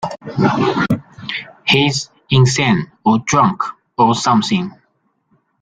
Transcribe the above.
He's insane or drunk or something.